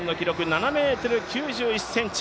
７ｍ９１ｃｍ。